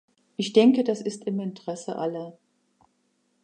Ich denke, das ist im Interesse aller.